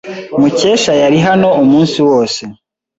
Mukesha yari hano umunsi wose.